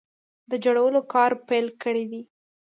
د جوړولو کار پیل کړی دی